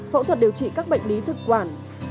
phẫu thuật điều trị các bệnh lý thực quản